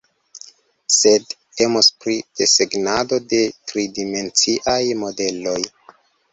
sed temos pri desegnado de tridimenciaj modeloj